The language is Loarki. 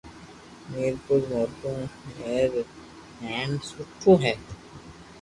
ميرپور موٽو ھير ھين سٺو ھي